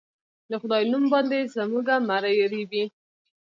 د خدای نوم باندې زموږه مرۍ رېبي